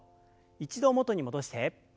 一度元に戻して。